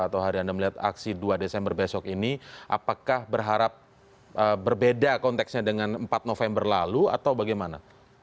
atau hari anda melihat aksi dua desember besok ini apakah berharap berbeda konteksnya dengan empat november lalu atau bagaimana